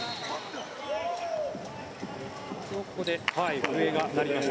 ここで笛が鳴りました。